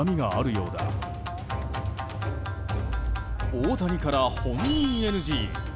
大谷から、本人ＮＧ。